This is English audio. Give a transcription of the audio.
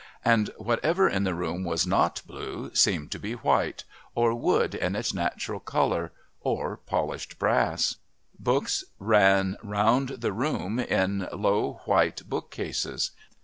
And whatever in the room was not blue seemed to be white, or wood in its natural colour, or polished brass. Books ran round the room in low white book cases.